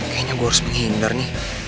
kayaknya gue harus menghindar nih